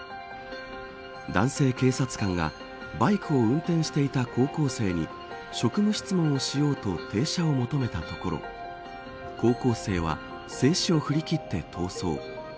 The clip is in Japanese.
男性警察官がバイクを運転していた高校生に職務質問をしようと停車を求めたところ高校生は制止を振り切って逃走。